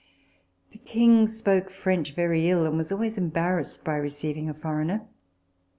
The King spoke French very ill, and was always embarrassed on receiving a foreigner.